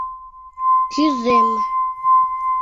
Кӱзем!..